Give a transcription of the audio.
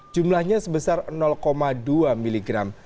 jumlahnya sebesar dua miligram